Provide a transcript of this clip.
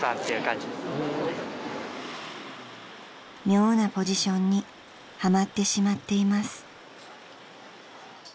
［妙なポジションにはまってしまっています］